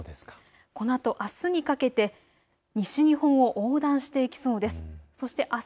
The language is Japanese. このあと、あすにかけて西日本を横断していきそうです。